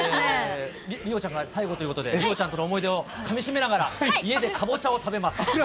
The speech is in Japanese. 梨央ちゃんが最後ということで、梨央ちゃんとの思い出をかみしめながら家でかぼちゃを食べます。